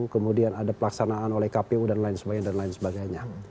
kemudian ada pelaksanaan oleh kpu dan lain sebagainya